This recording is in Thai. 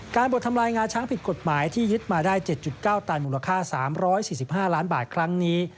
บททำลายงาช้างผิดกฎหมายที่ยึดมาได้๗๙ตันมูลค่า๓๔๕ล้านบาทครั้งนี้